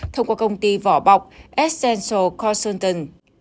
thông qua công ty vỏ bọc essential consulting